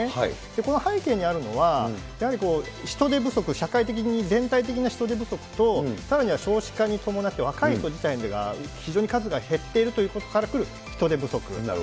この背景にあるのは、やはり、人手不足、社会的に全体的な人手不足と、さらには少子化に伴って若い人自体が非常に数が減っているということからくる人手不足。